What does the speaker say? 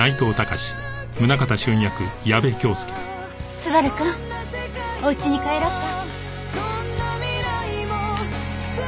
昴くんお家に帰ろうか。